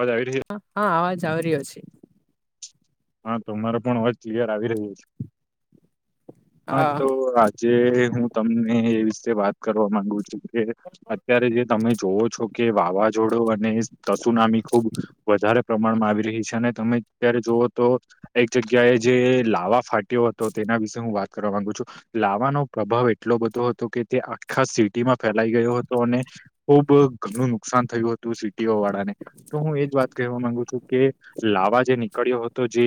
અવાજ આવી રહ્યો હ હા અવાજ આવ રહ્યો છે હા તો મારો પણ અવાજ ક્લિયર આવી રહ્યું છે હા તો આજે હું તમને એ વિશે વાત કરવા માંગુ છું અત્યારે જે તમે જોવો છો કે વાવાઝોડું અને અને તસુનામી ખુબ વધારે પ્રમાણમાં આવી રહી છે અને તમે અત્યારે જુવઓ તો એક જગ્યાએ જે લાવા ફાટ્યો હતો તેના વિશે હું વાત કરવા માંગુ છું લાવાનો પ્રભાવ એટલો બધો હતો કે તે આખા સિટીમાં ફેલાઈ ગયો હતો અને ખુબ ઘણું નુકસાન થયું હતું સિટીઓ વાળા ને તો હું એજ વાત કહેવા માંગુ છું કે લાવા જે નીકળ્યો હતો જે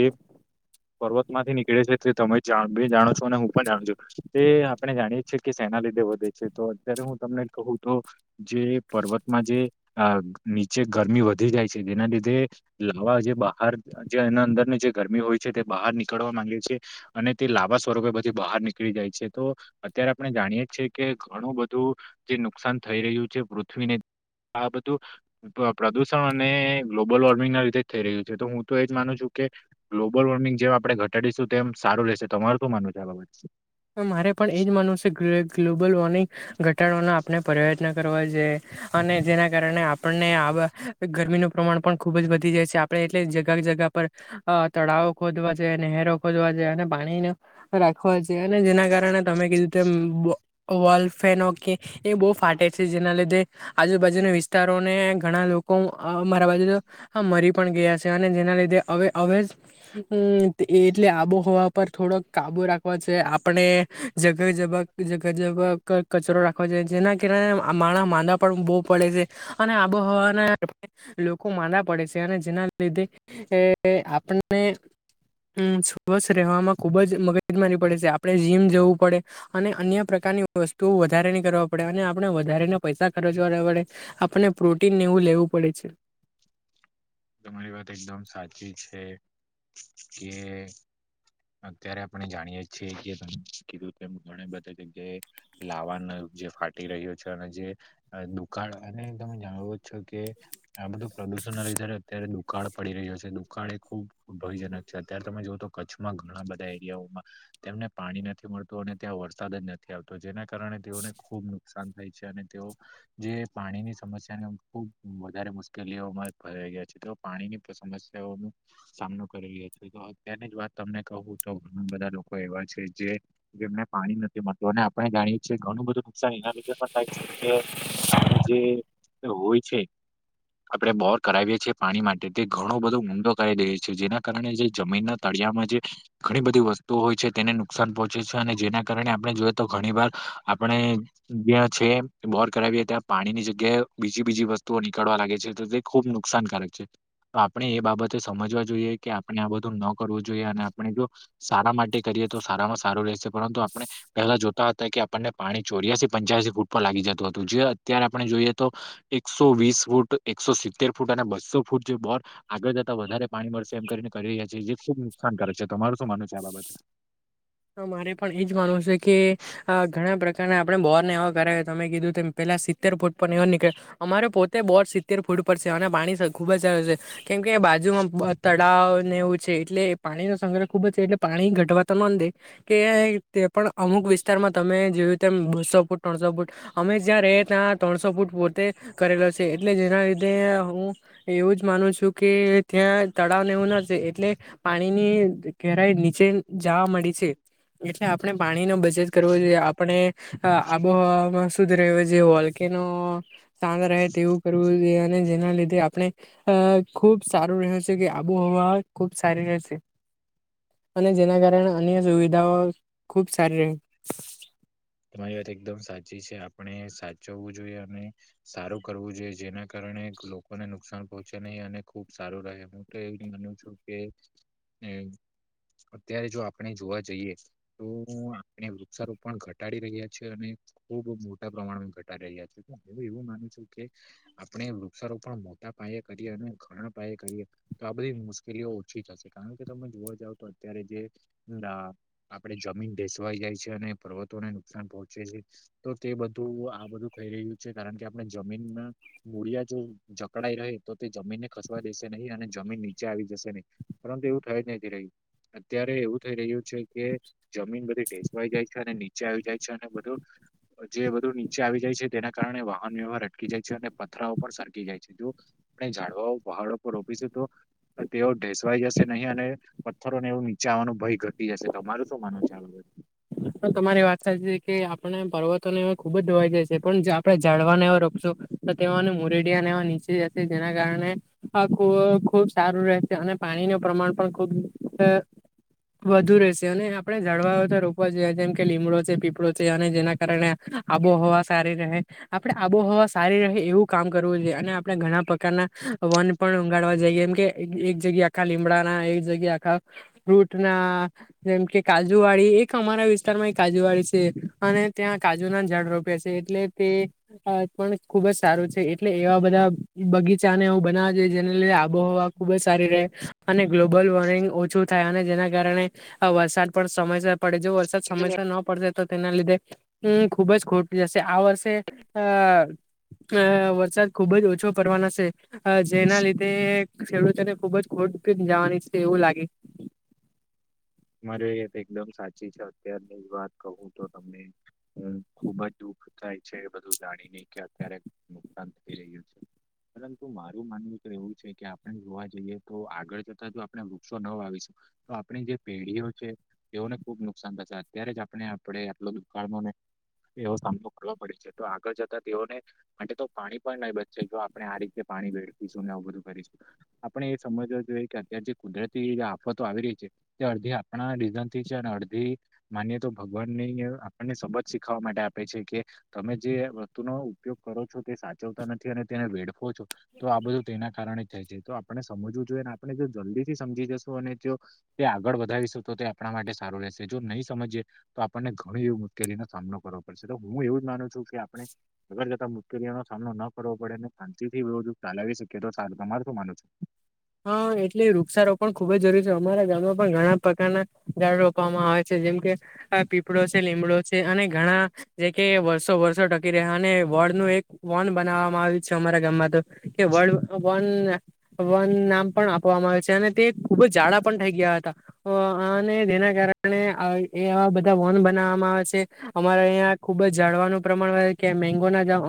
પર્વત માંથી નીકળે છે તમે બે જાણો છો અને હું પણ જાણું છું તે આપણે જાણીએ છીએ કે એના લીધે વધે છે તો અત્યારે હું તમને કહું તો જે પર્વતમાં જે નીચે ગરમી વધી જાય છે જેના લીધે લવા જે બહાર જે એના અંદર જે ગરમી હોય છે તે બહાર નીકળવા માંગે છે અને તે લાંબા સ્વરૂપે બધી બહાર નીકળી જાય છે તો અત્યારે આપણે જાણીએ છીએ કે ઘણું બધું જે નુકસાન થઈ રહ્યું છે પૃથ્વીને આ બધું પ્રદુષણ અને ગ્લોબલ વોર્મિંગ ના લીધે જ થઈ રહ્યું છે તો હું તો એજ માનું છું કે ગ્લોબલ વોર્મિંગ જેમ આપડણે ઘટાડીશું તેમમ સારું રહેશે તમાર શું માનવ છે આ બાબત મારે પણ એ જ માનવું છે કે ગ્લોબલ વોર્મિંગ ઘટાડવાનો આપણે પ્રયત્ન કરવા જોઈ અને જેના કારણે આપણને આ બ ગરમીનું પ્રમાણ પણ ખુબ જ વધી જાય છે આપણે એટલે જગાવી. જગા પર અ તળાવો ખોદવા છે નહેરો ખોદવા છે અને પાણીને રાખવા છે. તેઅને જેના કારણે તમે કીધું તમ બો. વોલ ફેન ઓ કે એ બહુ ફાટે છે જેના લીધે. આજુબાજુના વિસ્તારોને ઘણા લોકો આ મારા બાજુ જો આ મરી. પણ ગયા છે અને જેના લીધેવે અવે અવે જ હું ટીઈ. એટલે આબોહવા પર થોડોક કાબુ રાખવા છે આપણે. જગહ જબાગ જગ જબાગ ક કચરો રાખ જેના કારણે મા માંદા પણ બહુ પડે છે અને આબોહવાના લોકો. માદાપડે છે અને જેના લીધે એ એઆપને. હમ બસ રહેવામાં ખુબ જ મગર. પોત માની પડે આપણે જીમ જવું પડે અને અન્ય પ્રકારની વસ્તુ વધારે ની કરવા પડે અને આપણે. વધારે ના પૈસા ખર્ચવા નાપડે આપને પ્રોટીનને એવું લેવું પડે છે. તમારી વાત એકદમ સાચી છે કે. અત્યારે આપણે જાણીયે છીએ કે કીધું ઘણા બધા જગ્યાએ લાવવાનું. જે ફાટી રહ્યો છે અને જે દુકાળ અને તમે જાણો છો કે આ બધું.. દૂષણ લાગી્યારે. અત્યારે દુકાળ પડી રહ્યો છે દુકાળ એ ખુબ ભયજનક છે અત્યારે તમે જો તો કચ્છમાં ઘણા બધા એરિયાઓ. તેમા તેમને પાણી નથી મળતું અને ત્યાં વરસાદ જ નથી આવતો જેના કારણે તેઓને ખુબ નુકસાન થાય. જયારે તેઓ જે પાણીની સમસ્યાને ખુબ વધારે મુશ્કેલીઓમાં ભરાઈ ગયા છે. તોપાણીની સમસ્યાઓ ન સામનો કરેલી છે તો અત્યની જ વાત તમને કહું તો. બધા લોકો એવા છે જે જેમને પાણી નથી મળતું અને આપણે જાણીએ છીએ ઘણું બધું નુકસાન એના લીધે પણ. આપણા જીજીય આપણે જે હોય છે આપણેે બોર કરાવીએ છેએ. પાણી માટે તે ઘણો બધો ઊંડો કરી દે છે જેના કારણે જે જમીનના તળિયામાં જે ઘણી બધી વસ્તુ. તોહોય છે તેને નુકસાન પહોંચે છે અને જેના કારણે આપણે જોઈએ તો ઘણી વાર આપણે જે. છે બોર કરાવીએ ત્યાં પાણી ની જગ્યાએ બીજી બીજી વસ્તુઓ નીકળવા લાગે છે તો તે ખુબ નુકસાનકારક. આપણે એ બાબતે સમજવા જોઈએ કે આપણે આ બધું ન. કરવો જોઈએ અને આપણે જો સારા માટે કરીએ તો સારામાં સારું રહેશે પરંતુ આપણે પહેલા જોતા હતા કે. આપણને પાણી ચોર્યા છે. પંચ્યાસી ફૂટ પર લાગી જતુ હતુ જે અત્યારે આપણે જોઈએ તો એકસો વીસ ફૂટ એકસો સિત્તેર ફૂટ. અને બસ્સો ફૂટ જે બોર આગળ જતા વધારે પાણી મળશે એમ કરીને કરી રહ્યા છેએ જે જે. શુ જ નુકસાન કરે છે તો તમારું શું માનવુ છે આ બાબતે. હ મારે પણ એજ માનવું છે કે આ ઘણા પ્રકાર આપણે બોર્ ને એવવા કરાવે તમે કીધું ત પેલા સિત્તેર ફૂટ પણ એ નીકળે અમારે પોતે બોર સિત્તેર ફૂટ અને પાણી ખુબ જ આવે છે કેમ કે બાજુમાં તળાવને એવું છે. એટલે પાણી નો સંગ્રહ ખુબ જ છે એટલે પાણી ઘટવા તમને દે કે પણ અમુક વિસ્તારમાં તમે જોયું તેમ બસો ફૂટ ત્રણસો ફૂટ અમે જ્યાં ર ત્યાં ત્રણસો ફૂટ પોહોઈ. તે કરેલો છે એટલે જેના લીધે હું એવું જ માનું છું કે ત્યાં તળાવને. તયોના સે એટલે પાણીની ઘેરાઈ નીચે જવા મળી છે એટલે આપણે પાણી. ચેચ કરવો છે આપણે અ આબોહમાં સુદધ રહે છેએ હોલકીનો. શાંદ રહે તેવું કરવુંએ. જે જેના લીધે આપણે અ ખુબ સારું રહ્યું છે કે આબોહવા ખુબ છે. છે અને જેના કારણે અન્ય સુવિધાઓ. ખૂબ સારું ર. તમારી વાત એકદમ સાચી છે આપણે સાચવવું જોઈએ અને સારું કરવું જોઈએ જેના કારણે. આપણે સઉ લોકોને નુકસાન પહોંચે નહીં અને ખુબ સારું રહે હું તો એ માનું છું કે. અત્યારે જો આપણે જોવા જઈએ તો આપણે વૃક્ષારોપણ ઘટ. ઘટાડી રહ્યા છે અને ખુબ મોટા પ્રમાણ ઘટાડી રહ્યા છે હું એવું માનું છું કે. તે અ વૃક્ષારો પણ મોટા પાયે કરીએ અને ઘરણ પાયે કરીએ તો આ બધી મુશ્કેલીઓ ઓછી થશે કારણ. તમે જોવા જાવ તો અત્યારે જે આપડે જમીન બેસવાઈ જાય છે અને પર્વત. તો ને નુકસાન પહોંચે છે તો તે બધું આ બધું કઈ રહ્યું છે કારણ કે આપણે જમીનમાં. મુુળિયા જો જકડાય રહે તો તે જમીનને. ખચવા દેશે નહીં અને જમીન નીચે આવી જશે નહીં પરંતુ એવું થઈ જ નથી રહ્યું અત્યારે એવું થઈ રહ્યું કે જમીન બધી ઠસવાઈ જાય છે અને આવી જાય છે અને બું જે બધું નીચે આવી જાય છે તેના કારણે વાહન વ્યવહાર અટકી જાય છે અને થરા પણ સરકી જાય છે જો આપ ઝડવાઓ પહાડ પર રોપીશું તો તેઓ ઢેસવાઈ જશે નહીં અને પથરો ને એવું નીચાવાનો ભય ઘટી જશે તમાર શું માનો ચાલ? [inaudible] તો તમારી વાત સાચી છે કે આપડણે પર્વતો ને એ ખુબ જ દોવાઈ જાય છે પણ આપડણે જાડવાને એવા રોપસુ તો તેઓને મુરડિયાને એવા નીચે જશે જેના કારણે ખુબ સારું રહે અને પાણી ન પ્રમાણ પણ ખુબ વધુ રહેશે અને આપણે જળવા રો જેમ કે લીમડો છે પીપળો છે અને જેના કારણે આબોહવા સારી રહે આપણે આબોહવા સારી રહે એવું કામ કરવું જોઈએ અને આપણે ઘણા પ્રકારના વન પણ ઉગાડવા જઈએમ કે એક જગ્યા આખા લીમડા ના એક જગ્યા આખા ફ્રૂટ ના જેમ કે કાજુવાળી એક અમારા વિસ્તાર માં એ કાજુવાળી છે અને ત્યાં કાજુ ના જડ રોપે છે એટલે તે પણ ખુબ જ સારું છે એટલે એવા બધા બગીચા ને હું બનાવ જેને લઈ આબોહવા ખુબ જ સારી ર અને ગ્લોબલ વોર્મિંગ ઓછું થાય અને જેના કારણે આ વરસાદ પણ સમયસર પડે જો વરસાદ સમસ્યા ન પડશે તો તેના લીધે ખુબ જ ખોટી જશે આ વર્ષે અ અ વરસાદ ખુબ જ ઓછો પડવાના છે, જેના લીધે ખેડૂત તેને ખુબ જ ખોટ જવાની છે, એવું લાગે મારે એ એકદમ સાચી છે, અત્યારની એ વાત કું તો તમને હું ખુબ જ દુઃખ થાય છે બધું જાણીને કે અત્યારે નુકસાન થઈ રહ્યું છે. પરંતુ મારું માનવું એક એવું છે કે આપણે જોવા જઈએ તો આગળ જતા જો આપણે વૃક્ષો ન વાવી શકીએ. તો આપણે જે પેઢીઓ છે, તેઓને ખુબ નુકસાન થશે અત્યારે જ આપણે આપણે આટલો દુકાળને એવો સામનો કરવો પડે છે તો આગળ જતા તેઓને માટે તો પાણી પણ નહી બચશે જો આપણે આ રીતે પાણી વેડફીશું ને આવું બધું કરીશું આપણે એ સમજવું જોઈએ કે અત્યારે જે કુદરતી આફતો આવી રહી છે. તે અડધી આપણા રીઝન થી છે અને અડધી માનીએ તો ભગવાન ની આપણને સબત શીખવા માટે કે તમે જે વસ્તુ નો ઉપયોગ કરો છો તે સાચવતા નથી અને તેને વેડ ઓછો, તો આ બધું તેના કારણે થાય છે. તો આપણે સમજવું જોઈએ. ને આપણે જો જલ્દી થી સમજી જશું, અને જો તે આગળ વધારીશું તો તે આપણા માટે સારું રહેશે, જો નઈ સમજીએ તો આપણને ઘણી એવી મુશ્કેલીનો સામનો કર કરવા પડશે. તો હું એવું જ માનું છું કે, આપણે અગર જતા નો સામનો ન કરવો પડે ને શાંતિ થીવ ચલાવી શકીએ તો સારુ તમારે શું માનો છે. હા, એટલે વૃક્ષારોપણ ખુબ જ જરૂરી છે, અમારા ગામમાં પણ ઘણા પ્રકારના ઝાળ રોપવામાં આવે છે. જેમ કે પીપળો છે, લીમડો છે, અને ઘણા જે કે વર્ષો વર્ષો ટકી રહ્યા અને વોર્ડ નું એક વોન બનાવવામાં આવ્યું છે, અમારા કે વડ વન વન નામ પણ આપવામાં આવે છે અને તે ખૂબ જ જાડા પણ થઇ ગયા હતા, અ અને જેના કારણે એ આવા બધા વોન બનાવવામાં આવે છે, અમારે અહં ખુબ જ જાડવાનું પ્રમાણ કે મેંગો ના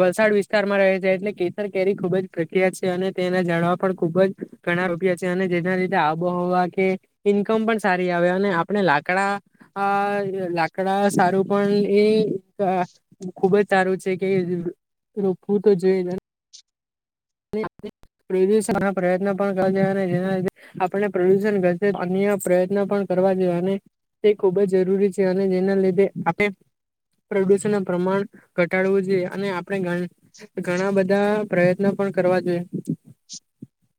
વલસાડ વિસ્તારમાં રહે છે એટલે કેસર કેરી ખુબ જ પ્રખ્યાત છે, અને તેના ઝાડવા પણ ખુબ જ ઘણા રૂપિયા છે, અને જેના લીધે આબોહવા કે ઈન્કમ પણ સારી આવે આપણે લાકડા અ લાકડા સારું પણ એ ખુબજ સારું છે, કે રોપવું તો જોઈએને [unintelligible] પ્રદષણ પ્રયત્ન પણ કર અને જેના લીધે આપને પ્રદુષણ ઘ અન્ય પ્રયત્ન પણ કરવા જોઈએ અને તે ખૂબ જ જરૂરી છે, અને જેના લીધે આપે પ્રદૂષણના પ્રમાણ ઘટાડવું જોઈએ. અને આપણે ઘણ-ઘણા બધા પ્રયત્નો પણ કરવા જોઈએ. [inaudible]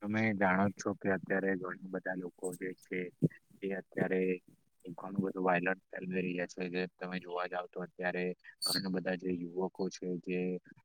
તમે જાણો છો કે અત્યારે ઘણા બધા લોકો જે છે, એ અત્યારે એ ઘણું બધું વાયલલ ફેલમેલિયા છે. જે તમે જોવા જાવ તો અત્યારે ઘણા બધા જે યુવ કો છે, જે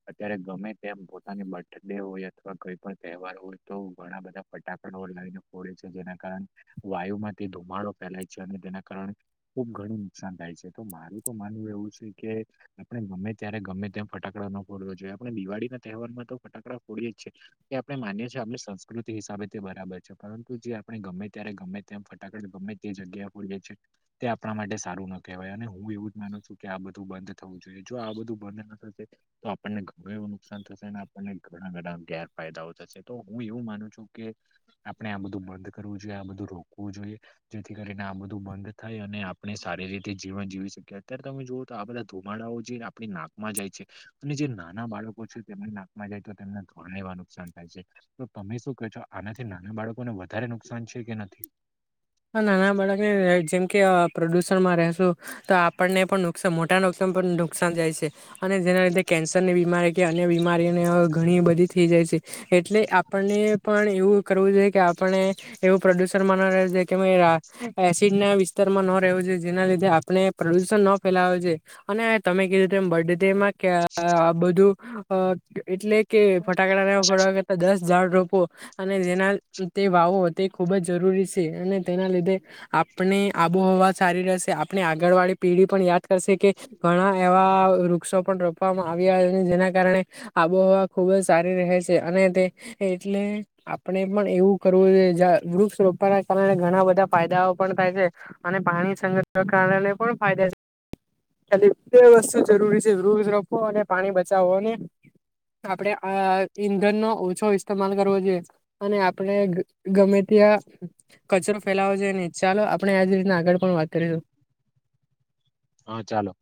અત્યારે ગમે તેમ પોતાની બર્થ ડે હોય અથવા કોઈ પણ તહેવાર હોય તો ઘણા બધા ફટાકડો લઈને ફોડે છે, જેના કારણે વાયુમાંથી ધુમાડો ફેલાય છે. અને તેના કારણે ખુબ ઘણું નુકસાન થાય છે. તો મારું તો માનવું એવું છે કે, આપણે ગમે ત્યારે ગમે તેમ ફટાકડા ન ફોડવા જોઈએ. આપણે દિવાળીના તહેવારમાં તો ફટાકડા ફોડી એજ છીએ. એ આપણે માનીએ જે આપની સંસ્કૃતિ હિસાબે તે બરાબર છે, પરંતુ જે આપણે ગમે ત્યારે ગમે તેમ ફટાકડ ગમે તે જગ્યા ફોડીએ છીએ. તે આપણા માટે સારું ન કહેવાય. અને હું એવું જ માનું છું કે, આ બધું બંધ થવું જોઈએ. જો આ બધું બંધ ન થશે તો આપણને ઘણું એવું નુકસાન થશે. શેન. આપણને ઘણા બધા ગેર ફાયદાઓ થશે. તો હું એવું માનું છું કે, આપણે આ બધું બંધ કરવું જોઈએ. આ બધું રોકવું જોઈએ. જેથી કરીને આ બધું બંધ થાય અને આપણે સારી રીતે જીવન જીવી શકીએ. અત્યાર તમે જુઓ તો આ બધા ધુમાડાઓ જીન આપણી નાકમાં જાય છે, અને જે નાના બાળકો છે તેમને નાકમાં જાય તો તેમને ઘણા એવા નુકસાન થાય છે. તો તમે શું કે છો? આનાથી નાના બાળકોને વધારે નુકસાન છે કે નથી? હન નાના બાળકને જેમ કે અ પ્રડુષણ તમારે શું? તો આપણને પણ નુકસાન મોટા નુકસાન પર નુકસાન જાય છે. અને જેના લીધે કેન્સરની બીમારી કે અન્ય બીમારી ઘણી બધી થઈ જાય છે. એટલે આપણને પણ એવું કરવું જોઈએ કે આપણે એવું પ્રદુષણ મનાવે છે કે મય આ, એસિડના વિસ્તારમાં નો [unintelligible] છે. જેના લીધે આપણે પ્રદુષણ ન ફેલાવે છે, અને તમે કીધું તેમ બર્થડેમાં ક્યા આ બધું અ-એટલે કે ફટાકડાને એવુ ફોડવા કરતા દસ ઝાડ રોપો. એ ઝેનાલ, તે વાવો તે ખૂબ જ જરૂરી છે. અને તેના લીધે આપણે આબોહવા સારી રહેશે. આપણે આગળ વાળી પેઢી પણ યાદ કરશે. કે કે ઘણા એવા વૃક્ષો પણ રોપવામાં આવ્યા, જેના કારણે આબોહવા ખુબ જ સારી રહે છે. અને તે એટલે આપણે પણ એવું કરવું જોઈએ. જ્યા વૃક્ષ રોપવાના કારણે ઘણા બધા ફાયદાઓ પણ થાય છે. અને પાણી સંગ્રહ કારણે પણ ફાયદા છે. ખાલી બે વસ્તુ જરૂરી છે, વૃક્ષ રોપો અને પાણી બચાવો અને આપણેે આ ઈંધનનો ઓછો ઇસ્તેમાલ કરવો જોઈએ અને આપણે ગ ગમે ત્યાં કચરો ફેલાવો જોઈએ નહી ચાલો આપણે આજ રીતના આગળ પણ વાત કરીશું. હા ચાલો